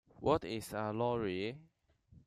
What is a lorry?